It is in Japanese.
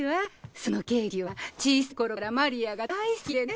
そのケーキは小さい頃からマリアが大好きでね。